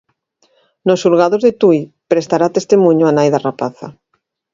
Nos xulgados de Tui prestará testemuño a nai da rapaza.